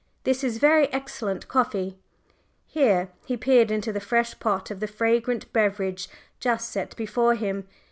This is very excellent coffee" here he peered into the fresh pot of the fragrant beverage just set before him.